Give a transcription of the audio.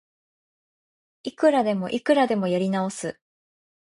いくらでもいくらでもやり直す